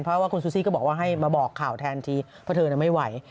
เพราะว่าคุณซูซี่ก็บอกว่าให้มาบอกข่าวแทนทีเพราะเธอไม่ไหว